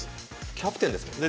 キャプテンですもんね。